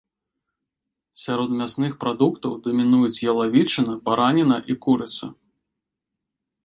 Сярод мясных прадуктаў дамінуюць ялавічына, бараніна і курыца.